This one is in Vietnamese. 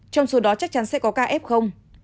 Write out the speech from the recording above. trong số đó chắc chắn sẽ có ca ép không